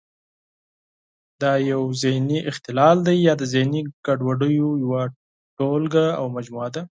دا یو ذهني اختلال دی یا د ذهني ګډوډیو یوه ټولګه او مجموعه ده.